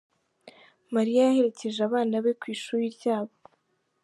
Mariya yaherekeje abana be kwishuri ryabo